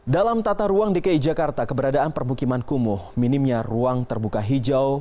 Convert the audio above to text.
dalam tata ruang dki jakarta keberadaan permukiman kumuh minimnya ruang terbuka hijau